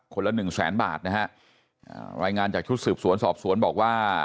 ละหนึ่งแสนบาทนะฮะรายงานจากชุดสืบสวนสอบสวนบอกว่า